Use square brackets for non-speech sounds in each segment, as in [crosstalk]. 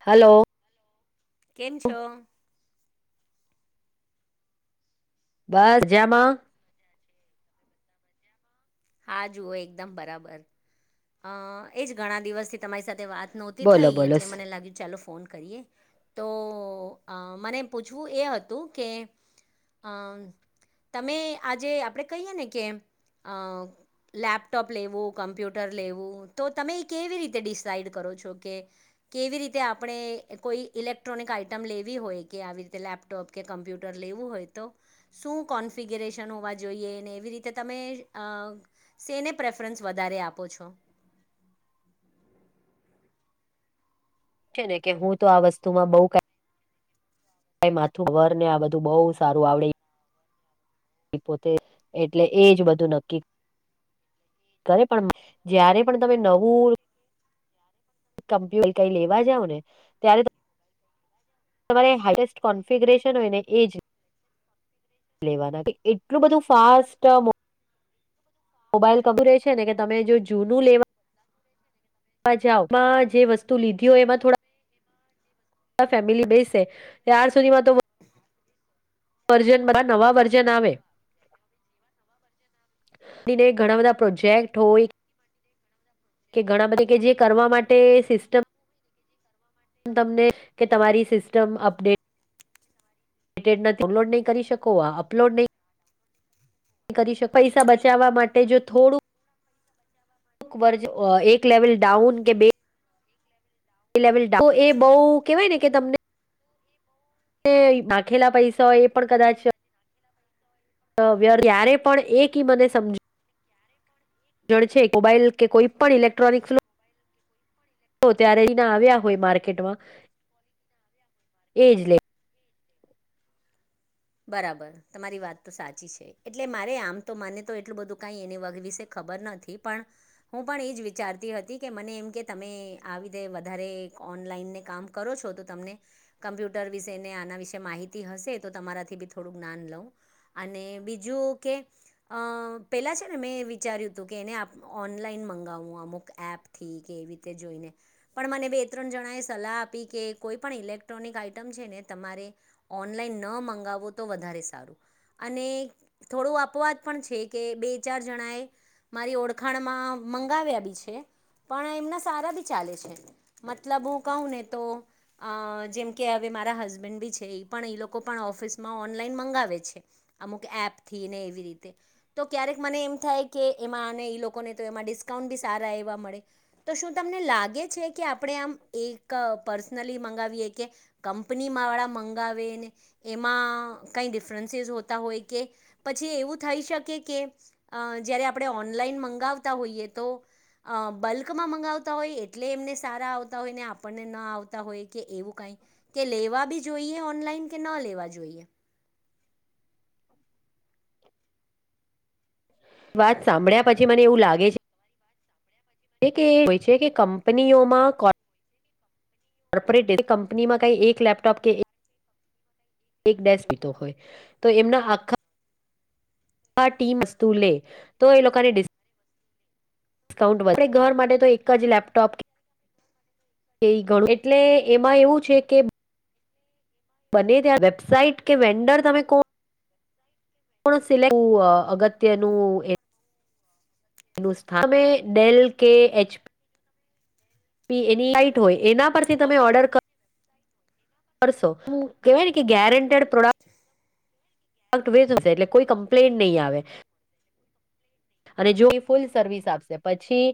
Hello. કેમ છો? બ જામાં આ જુઓ એકદમ બરાબર અ એજ ઘણા દિવસથી તમારી સાથે વાત નહોતી બોલો થઈ બોલો એટલે મને લાગ્યું ચાલો ફોન કરીએ. તો અ મને પૂછવું એ હતું કે અમ તમે આજે આપડે કહીએ ને કે અ લેપટોપ લેવું કમ્પ્યુટર લેવું તો તમે કેવી રીતે ડિસાઈડ કરો છો કે કેવી રીતે આપડે કોઈ ઇલેક્ટ્રોનિક આઈટમ લેવી હોય કે આવી રીતે લેપટોપ કે કમ્પ્યુટર લેવું હોય તો શું કોન્ફિગ્રેશન હોવા જોઈએ ને એવી રીતે તમે અ સેને પ્રેફરન્સ વધારે આપો છો? કે છે ને કે હું તો આ વસ્તુમાં બઉ કા માથું વર ને આ બધું બઉ સારું આવડે પોતે એટલે એજ બધું નક્કી કરે પણ જયારે પણ તમે નવું કમ્પ્યુ કઈ લેવા જાવ ને ત્યારે ત તમારે હાઈએસ્ટ કોન્ફિગરેેશન હોય ને એ જ. લેવાના કે એટલું બધું ફાસ્ટ મોબાઈલ કબી રે છે ને કે તમે જો જૂનું લેવા [unintelligible] માં જે વસ્તુ લીધી હોય એમાં થોડા ફેમિલી બેસે ત્યાર સુધીમાં તો [inaudible] વર્જન બાદ નવા વર્જન આવે. તેને ઘણા બધા પ્રોજેક્ટ હોય. કે ઘણા બધા કે જે કરવા માટે સિસ્ટમ તમને કે તમારી સિસ્ટમ અપડે ડિલેટ ન ડાઉનલોડ નહીં કરી શકો આ અપલોડ નહીં કરી શક પૈસા કરી શક બચાવવા માટે જો થોડું વર્જ એક લેવલ ડાઉન કે બે એ લેવલ ડા તો એ બઉ કેવાય ને કે તમને નાખેલા પૈસા એ પણ કદાચ ત્યારે પણ એક ઈ મને સમજ જણ છે મોબાઈલ કે કોઈ પણ ઇલેક્ટ્રોનિક ફ્લો તો ત્યારે એના આવ્યા હોય માર્કેટમાં એજ લે બરાબર તમારી વાત તો સાચી છે, એટલે મારે આમ તો મને તો એટલું બધું કઈ એને વગ વિશે ખબર નથ ઈ પણ હું પણ એ જ વિચારતી હતી કે મને એમ કે તમે આવી રીતે વધારે ઓનલાઈનને કામ કરો છો તો તમને કમ્પ્યુટર વિશે ને આના વિશે માહિતી હશે તો તમારા થી બી થોડુંક જ્ઞાન લઉં અને બીજું કે અ પેલા છે ને મેં વિચાર્યું તું કે એને ઓનલાઈન મંગાવવું અમુક એપ થી કે એવી રીતે જોઈને. પણ મને બે ત્રણ જણાએ સલાહ આપી કે કોઈ પણ ઇલેક્ટ્રોનિક આઈટમ છે ને તમારે ઓનલાઈન ન મંગાવો તો વધારે સારું. અને થોડું આપોવાદ પણ છે કે બે ચાર જણાએ મારી ઓળખાણમાં મંગાવ્યા બી છે પણ એમના સારા બી ચાલે છે. મતલબ હું કહુંને તો. અ જેમ કે હવે મારા હસબેન્ડ બી છે એ પણ એ લોકો પણ ઓફિસ. માં ઓનલાઈન મંગાવે છે અમુક એપથી ને એવી રીતે. તો ક્યારેક મને એમ થાય કે એમાં અને એ લોકોને તો એમાં ડિસ્કાઉન્ટ બી સારા એવા મળે. તો શું તમને લાગે છે કે આપડે આમ એક પર્સનલી મંગાવીએ કે. કંપનીમા વાળા મંગાવેને એ. એમાં કઈ ડિફરન્સીસ હોતા હોય કે પછી એવું થઈ શકે કે. અ જ્યારે આપણે ઓનલાઈન મંગાવતા હોઈએ તો. બલ્કમાં મંગાવતા હોય એટલે એમને સારા આવતા હોય ને આપણને ન આવતા હોય કે એવું કાંઈ. કે લેવા બી જોઈએ ઓનલાઈન કે ના લેવા જોઈએ. વાત સાંભળ્યા પછી મને એવું લાગે છે. કે હોય છે કે કંપનીઓમાં. કોર્પોરેટ કંપનીમાં કઈ એક લેપટોપ કે. એક ડસ પીતો હોય તો એમના આખા. ટીમ વસ્તુ લે તો એ લોકોને. ડિસ્કાઉન્ટ ઘર માટે તો એક જ લેપટોપ. એ ગણું એટલે એમાં એવું છે કે. બને ત્યાં વેબસાાઈટ કે વેન્ડર તમે કો. કો અગત્યનું. ન સ્થાનમે ડેલ કે એચપી. બી એની સાઈટ હોય એના પરથી તમે ઓર્ડર કરશો. કેવા ગેરેંન્ટેડ પ્રોડક્ટ. વે એટલે કોઈ કમ્પ્લેન નહીં આવે. અને જોઈ ફૂલ સર્વિસ આપશે પછી.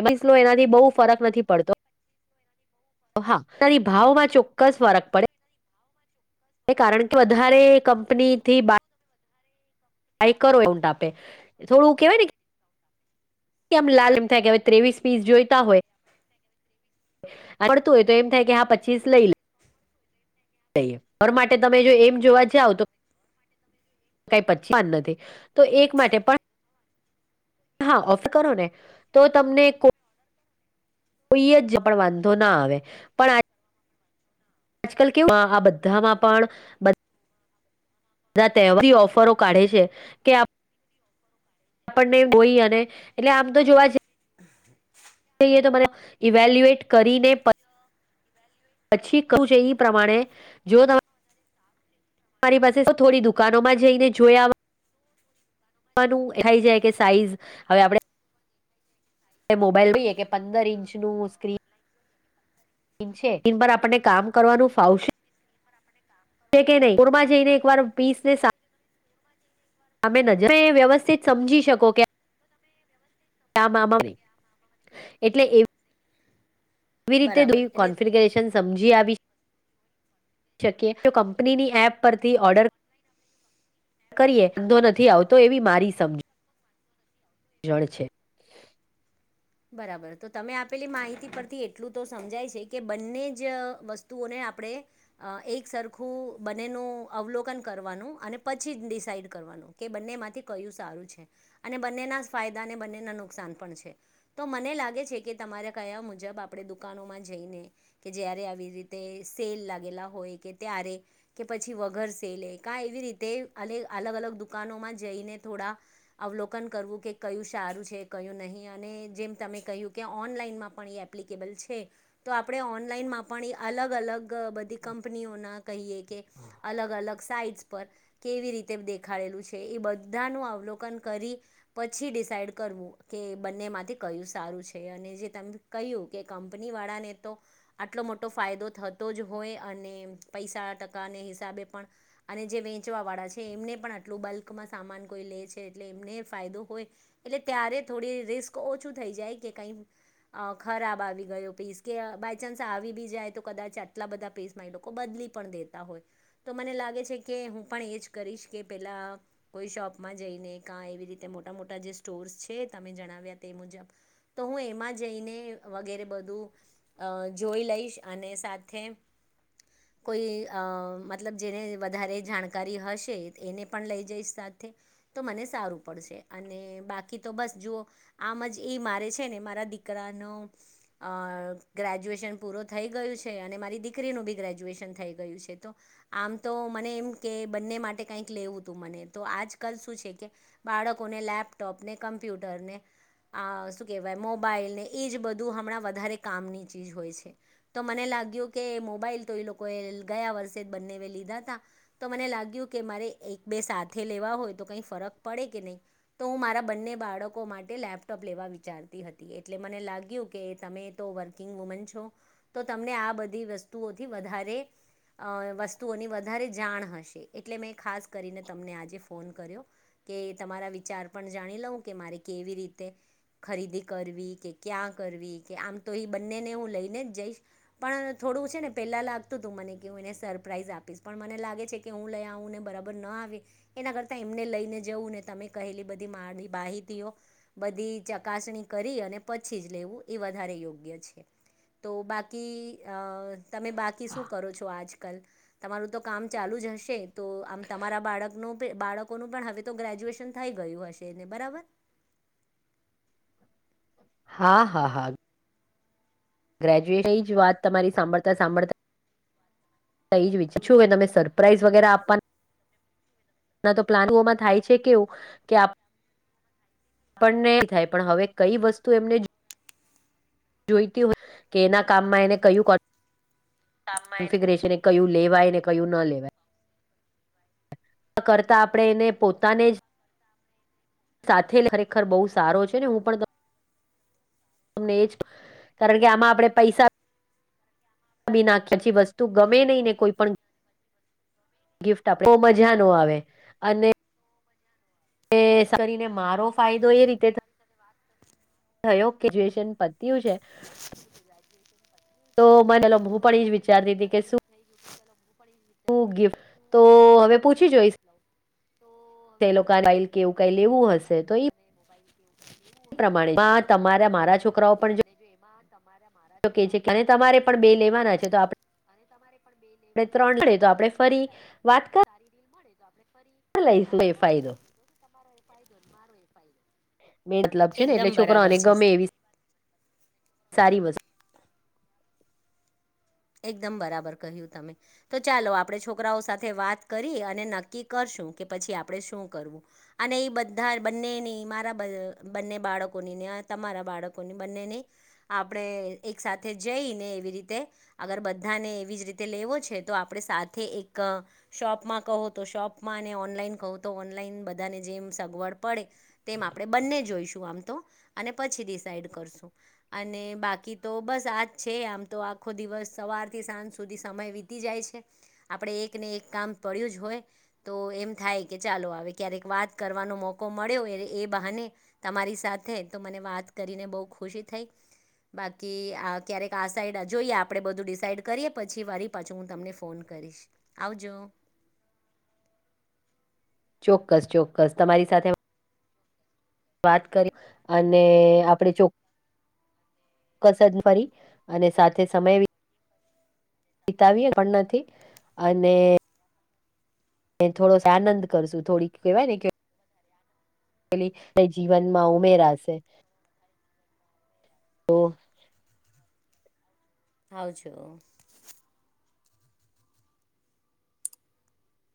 એ એનાથી બહુ ફરક નથી પડતો. હા તારી ભાવમાં ચોક્કસ ફરક પડે. કારણ કે વધારે કંપની થી બ. આઈ કરો એવું ટા આપે થોડું કેહેવાય ને. આમ લાલ એમ થાય કે હવે ત્રેવીસ પીસ જોઈતા હોય. આવડતું હોય તો એમ થાય કે હા પચીસ લઈ. જઈએ ઘર માટે તમે જો એમ જોવા જઓ તો. કઈ પચી વાન નથી તો એક માટે પણ. હા ઓફર કરો ને તો તમને કો. કોઈ જ પણ વાંધો ના આવે પણ આ. આજકાલ કેવું આ બધામાં પણ. હેવા ઓફરો કાઢે છે કે આપણને ગોઈ અને. એટલે આમ તો જોવા જએ તો મ ઇવેલ્યુએટ કરીને. પછી કું છે ઈ પ્રમાણે જો તમે. તમારી પાસે થોડી દુકાનો માં જઈને જોયા. ખાઈ જાય કે સાઈઝ હવે આપણે. મોબાઈલ જોઈએ કે પંદર ઇંચ નું સ્ક્રીન. છે એન પર આપણને કામ કરવાનું ફાવશે. કે નહી કોરમાં જઈને એક વાર પીસ ને. તમે નજરે તમે વ્યવસ્થિત સમજી શકો કે. મા એટલે એ. એવી રીતે દ બરાબર એટલે કોન્ફિગરેશન સમજી આવી. શકીએ તો કંપનીની એપ પરથી ઓર્ડર. કરીએ વાધો નથી આવતો એવી મારી સમજ. જડ છે. બરાબર તો તમે આપેલી માહિતી પરથી એટલું તો સમજાય છે કે બંને જ વસ્તુઓને આપણે. અ એક સરખું બનેનું અવલોકન કરવાનું અને પછી ડિસાઈડ કરવાનું કે બંનેમાંથી કયું સારું છે અને બંનેના ફાયદા અને બંનેના નુકસાન પણ છે તો મને લાગે છે કે તમારા કયા મુજબ આપણે દુકાનોમાં જઈને કે જય્યારે આવી રીતે સેલ લાગેલા હોય કે ત્યારે કે પછી વગર સે લે કા એવી રીતે અલગ અલગ દુકાનોમાં જઈને થોડા અવલોકન કરવું કે કયું સારું છે કયું નહીં અને જેમ તમે કહ્યું કે ઓનલાઈનમાં પણ એ એપ્લિકેબલ છે તો આપણે ઓનલાઈનમાં પણ એ અલગ અલગ બધી કંપનીઓના કહીએ કે અલગ અલગ સાઇઝ પર કેવી રીતે દેખાડેલું છે એ બધાનું અવલોકન કરી પછી ડિસાાઈડ કરવું કે બંનેમાંથી કયું સારું છે અને જે ત કહ્યું કે કંપની વાળાને તો આટલો મોટો ફાયદો થતો જ હોય અને પૈસા ટકાને હિસાબે પણ અને જે વેચવાવાળા છે એમને પણ આટલું બલ્કમાં સામાન કોઈ લે છે એટલે એમને ફાયદો હોય એટલે ત્યારે થોડી રિસ્ક ઓછું થઈ જાય કે કઈ અ ખરાબ આવી ગયો પેસ કે બાય ચાન્સ આવી બી જાય તો કદાચ આટલા બધા પેસ લોકો બદલી પણ દેતા હોય તો મને લાગે છે કે હું પણ એજ કરીશ કે પેલા કોઈ શોપમાં જઈને કા એવી રીતે મોટા મોટા જે સ્ટોર્સ છે તમે જણાવ્યા તે મુજબ તો હું એમાં જઈને વગેરે બધું અ જોઈ લઈશ અને સાથે કોઈ મતલબ જેને વધારે જાણકારી હશે એને પણ લઈ જઈશ સાથે તો મને સારું પડશે અને બાકી તો બસ જુઓ આમ જ એ મારે છે ને મારા દીકરાનો અ ગ્રેજ્યુએશન પૂરો થઈ ગયું છે અને મારી દીકરીનું બી ગ્રેજ્યુએશન થઈ ગયું છે તો આમ તો મને એમ કે બંને માટે કઈક લેવું તું મને તો આજકાલ શું છે કે બાળકોને લેપટોપને કમ્પ્યુટરને આ શું કહેવાય મોબાાઈલ ને એ જ બધું હમણાં વધારે કામની ચીજ હોય છે તો મને લાગ્યું કે મોબાઈલ તો એ લોકોએ ગયા વર્ષે જ બંને એ લીધા હતા તો મને લાગ્યું કે મારે એક બે સાથે લેવા હોય તો કંઈ ફરક પડે કે નહીં તો હું મારા બંને બાળકો માટે લેપ ટોપ લેવા વિચારતી હતી એટલે મને લાગ્યું કે તમે તો વર્કિંગ વુમન છો તો તમને આ બધી વસ્તુઓથી વધારે વસ્તુઓની વધારે જાણ હશે એટલે મેં ખાસ કરીને તમને આજે ફોન કર્યો કે તમારા વિચાર પણ જાણી લઉં કે મારે કેવી રીતે ખરીદી કરવી કે ક્યાં કરવી કે આમ તો એ બંનેને હું લઈને જ જઈશ પણ થોડું છે ને પેલા લાગતું તું મને કેવું એને સરપ્રાાઈઝ આપીશ પણ મને લાગે છે કે હું લઈ આવુંને બરાબર ન આવે એના કરતા એમને લઈને જવું ને તમે કહેલી બધી મારી બાહિતઓ બધી ચકાસણી કરી અને પછી જ લેવું એ વધારે યોગ્ય છે તો બાકી અ તમે બાકી શું કરો છો આજકલ તમારું તો કામ ચાલુ જ હશે તો આમ તમારા બાળકનો બાળકોનું પણ હવે તો ગ્રેજ્યુએશન થઈ ગયું હશે એને બરાબર હા હા હા ગ્રેજ્યુએશની જ વાત તમારી સાંભળતા સાંભળતા એ જ શું તમે સરપ્રાઈઝ વગેરે આપવાનું ના તો પ્લાનમાં થાય છે કેવું કે પણ નહી થાય પણ હવે કઈ વસ્તુ એમને જોઈતી હોય કે એના કામમાં એને કયું કોન્ફિગ કન્ફીગરેશન કયું લેવાય ને કયું ન લેવાય કરતા આપણે એને પોતાને જ સાથે ખરેખર બહુ સારો છે ને હું પણ. તમને એજ કારણ કે આમાં આપડે પૈસા. બી નાખ્યા પછી વસ્તુ ગમે નહીં ને કોઈ પણ. ગિફ્ટ આપે બહ મજા ન આવે અને એ કરીને મારો ફાયદો એ રીતે. થયો ગ્રેજ્યુએશન પત્યુ છે. તો મ તો મને પણ મદદરૂપ થઈ ગયું છેું પણ શું ત્યાં ગિફ્ટ કે શું તો ગિફ્ટ લઉ હવે શું પૂછી જોઈશ ગિફ્ટ લઉ. તો હવે તે લોકા પૂછી બાઈલ જોઈ છે કે એ એવું કઈ લોકોને પણ લેવું જો લેપટોપ અને મોબાઈલ. એ પ્રમાણે તમારા મારા છોકરાઓ પણ જો. એમાં તમારા મારા. તો કે છે તમારે પણ બે લેવાના છે તો આપણે. અને તમારે પણ બે લેવાનું ત્રણ થાય છે મળે તો આપણે ફરી ત્રણ લેપટોપ લીધ વાત સારી રીલ મળે તો આપણે ફરી. કરી લઈશું એ વાફ ફાયદો લઈ તમારો એ ફાયદો મારો એ ફાયદો. બે મતલબ છે ને એટલે છોકરાને ગમે એવી સારી વસ્તુ. [inaudible] એકદમ બરાબર કહ્યું તમે તો ચાલો આપણે છોકરાઓ સાથે વાત કરી અને નક્કી કરશું કે પછી આપડણે શું કરવું. અને એ બધા બંનેની મારા બંને બાળકોનીને તમારા બાળકોની બંનેની આપણે એક સાથે જઈને એવી રીતે. અગર બધાને એવી જ રીતે લેવો છે તો આપણે સાથે એક. શોપમાં કહો તો શોપમાં અને ઓનલાઈન કહો તો ઓનલાઈન બધાને જેમ સગવડ પડે તેમ આપણે બંને જોઈશું આમ તો અને પછી ડિસાઇડ કરશું. અને બાકી તો બસ આજ છે આમ તો આખો દિવસ સવારથી સાંજ સુધી સમય વીતી જાય છે આપણે એક ને એક કામ પડ્યું જ હોય. તો એમ થાય કે ચાલો આવે ક્યારેક વાત કરવાનો મોકો મળ્યો એ એ બહાને. તમારી સાથે તો મને વાત કરીને બહુ ખુશી થઈ. બાકી આ ક્યારેક આ સાઈડ જોઈએ આપ. આપણે બધું ડિસાઇડ કરીએ પછી વારી પાછું હું તમને ફોન કરીશ આવજો. ચોક્કસ ચોક્કસ તમારી સાથે. વાત કરી અને આપડ ચો કસર ફરી અને સાથે સમય. વિતાવીએ પણ નથી અને એ થોડો આનંદ કરશું થોડીક કહેવાય ને કે. પેલી જીવનમાં ઉમેરાશે. તો આવાજો.